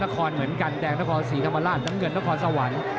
นักคอร์นเหมือนกันแดงนักคอร์สีธรรมลาดนักเงินนักคอร์สวรรค์